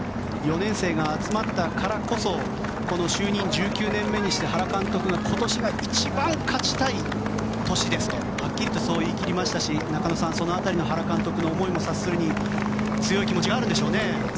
４年生が集まったからこそこの就任１９年目にして原監督が一番今年が勝ちたい年ですとはっきりと言い切りましたし中野さん、その辺り原監督の思いも察するに強い気持ちがあるんでしょうね。